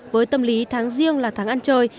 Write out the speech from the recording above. với tâm lý tháng riêng là tháng ăn chơi